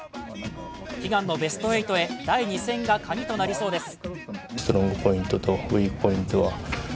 悲願のベスト８へ第２戦が鍵となりそうです。